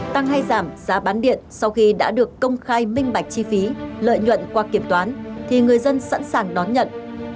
tăng hay giảm giá bán điện sau khi đã được công khai minh bạch chi phí lợi nhuận qua kiểm toán thì người dân sẵn sàng đón nhận